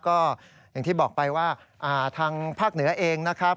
ก็อย่างที่บอกไปว่าทางภาคเหนือเองนะครับ